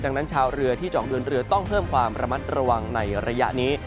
ดังนั้นชาวเรือที่จะออกเดินเรือต้องเพิ่มความระมัดระวังในระยะนี้